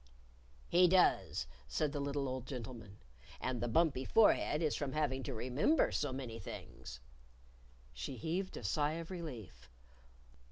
"He does," said the little old gentleman. "And the bumpy forehead is from having to remember so many things." She heaved a sigh of relief.